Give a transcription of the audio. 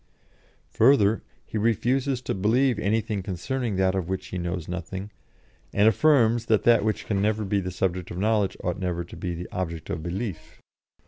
Further, he refuses to believe anything concerning that of which he knows nothing, and affirms that that which can never be the subject of knowledge ought never to be the object of belief.